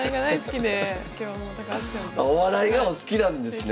あお笑いがお好きなんですね。